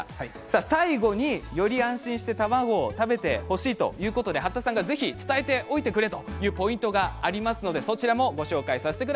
最後により安心して卵を食べてほしいということで八田さんが伝えておいてくれというポイントがあります。